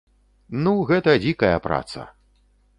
Ну гэта дзікая праца.